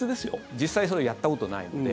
実際にやったことないので。